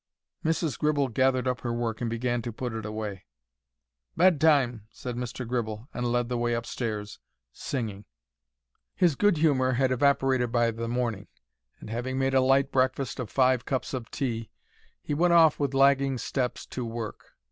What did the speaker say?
Mrs. Gribble gathered up her work and began to put it away. "Bed time," said Mr. Gribble, and led the way upstairs, singing. His good humour had evaporated by the morning, and, having made a light breakfast of five cups of tea, he went off, with lagging steps, to work.